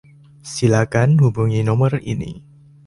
Silakan hubungi nomor ini.